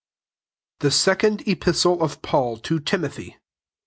THE SECOND EPISTLE OF PAUL TO TIMOTHY.